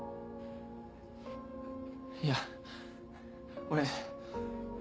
いや俺。